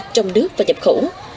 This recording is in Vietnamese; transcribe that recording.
trong nước và nhập khẩu